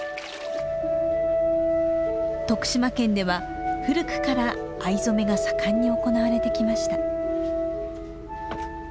徳島県では古くから藍染めが盛んに行われてきました。